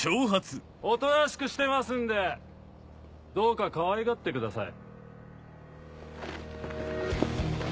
おとなしくしてますんでどうかかわいがってください。